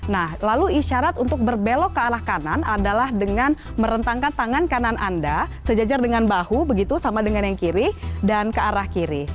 nah lalu isyarat untuk berbelok ke arah kanan adalah dengan merentangkan tangan kanan anda sejajar dengan bahu begitu sama dengan yang kiri dan ke arah kiri